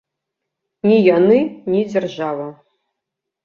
Ні яны, ні дзяржава.